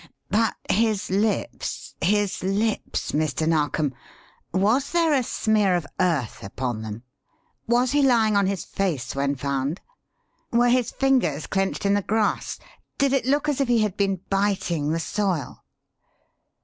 "But his lips his lips, Mr. Narkom? Was there a smear of earth upon them? Was he lying on his face when found? Were his fingers clenched in the grass? Did it look as if he had been biting the soil?"